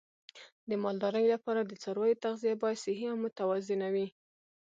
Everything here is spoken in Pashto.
د مالدارۍ لپاره د څارویو تغذیه باید صحي او متوازنه وي.